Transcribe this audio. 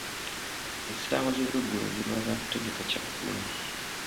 Essaawa z'olweggulo ziba za kutegeka kya ggulo.